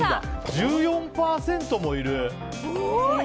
１４％もいる。